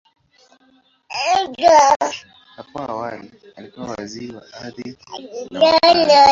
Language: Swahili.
Hapo awali, alikuwa Waziri wa Ardhi na Makazi.